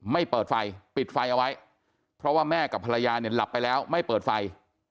เปิดไฟปิดไฟเอาไว้เพราะว่าแม่กับภรรยาเนี่ยหลับไปแล้วไม่เปิดไฟ